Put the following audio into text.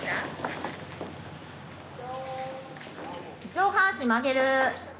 上半身曲げる。